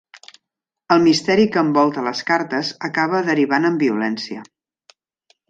El misteri que envolta les cartes acaba derivant en violència.